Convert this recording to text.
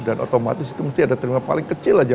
dan otomatis itu mesti ada terima paling kecil aja